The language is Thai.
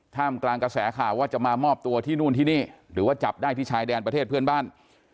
กลางกระแสข่าวว่าจะมามอบตัวที่นู่นที่นี่หรือว่าจับได้ที่ชายแดนประเทศเพื่อนบ้าน